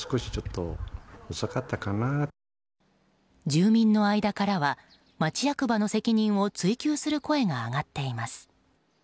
住民の間からは町役場の責任を追及する声が上がっています。